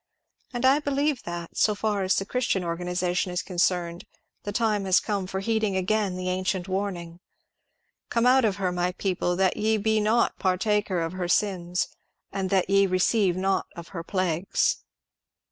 And I be lieve that, so far as the Christian organization is oonoemed, the time has come for heeding again the ancient warning ^ Come out of her, my people, that ye be not partaker of her sins, and that ye receive not of her plagues."